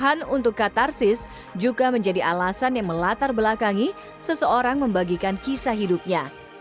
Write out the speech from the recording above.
kisah layangan putus ini juga menjadi alasan yang melatar belakangi seseorang membagikan kisah hidupnya